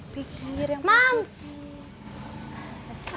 pikir yang positif